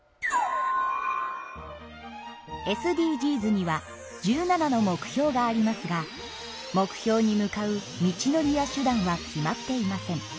ＳＤＧｓには１７の目標がありますが目標に向かう道のりや手段は決まっていません。